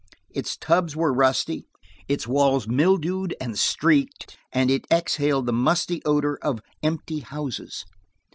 Its tubs were rusty, its walls mildewed and streaked, and it exhaled the musty odor of empty houses.